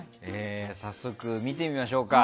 早速、見てみましょうか。